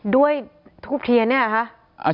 ด้วยถูกเทียนเนี่ยหรอคะ